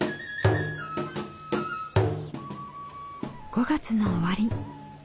５月の終わり。